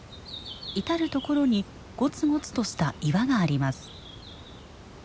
至る所にゴツゴツとした岩があります。